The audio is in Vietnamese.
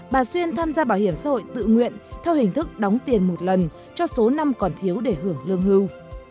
bà xuyên tham gia bảo hiểm xã hội tự nguyện theo hình thức đóng tiền một lần cho số năm còn thiếu để hưởng lương hưu